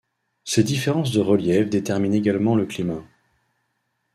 Ces différences de relief déterminent également le climat.